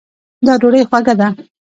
دا ډوډۍ خوږه ده